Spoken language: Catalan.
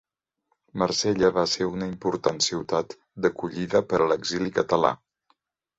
Marsella va ser una important ciutat d'acollida per a l'exili català.